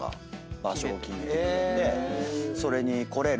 それに来れる？